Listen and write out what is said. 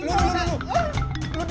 gak gak gak gak